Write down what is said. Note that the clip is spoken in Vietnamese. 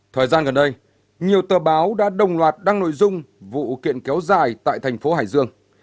thời gian gần đây nhiều tờ báo đã đồng loạt đăng nội dung vụ kiện kéo dài tại thành phố hải dương